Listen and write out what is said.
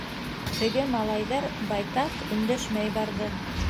Теге малайҙар байтаҡ өндәшмәй барҙы.